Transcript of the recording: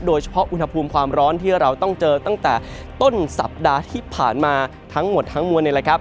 โดยเฉพาะอุณหภูมิความร้อนที่เราต้องเจอตั้งแต่ต้นสัปดาห์ที่ผ่านมาทั้งหมดทั้งมวลนี่แหละครับ